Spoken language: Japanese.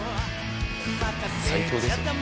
「最強ですよね。